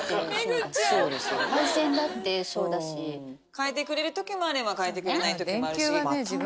替えてくれるときもあれば替えてくれないときもあるし。